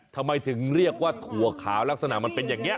ทำไมถึงเรียกว่าถั่วขาวลักษณะมันเป็นอย่างนี้